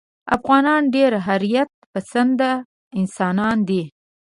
افغانان ډېر حریت پسنده انسانان دي.